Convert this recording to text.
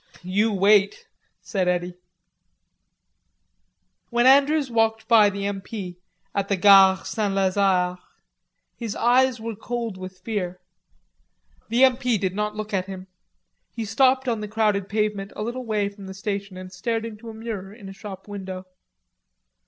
"You wait," said Eddy. When Andrews walked by the M.P. at the Gare St. Lazare, his hands were cold with fear. The M.P. did not look at him. He stopped on the crowded pavement a little way from the station and stared into a mirror in a shop window.